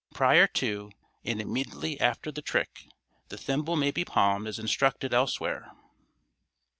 Prior to, and immediately after the trick, the thimble may be palmed as instructed elsewhere.